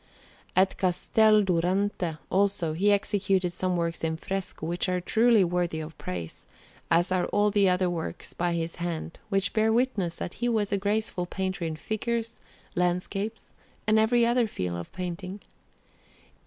At Castel Durante, also, he executed some works in fresco, which are truly worthy of praise, as are all the other works by his hand, which bear witness that he was a graceful painter in figures, landscapes, and every other field of painting.